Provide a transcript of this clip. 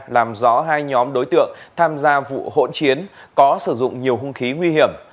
làm rõ hai nhóm đối tượng tham gia vụ hỗn chiến có sử dụng nhiều hung khí nguy hiểm